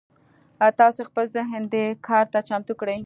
تاسې خپل ذهن دې کار ته چمتو کړئ.